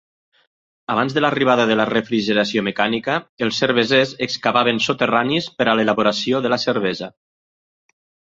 Abans de l'arribada de la refrigeració mecànica, els cervesers excavaven soterranis per a l'elaboració de la cervesa.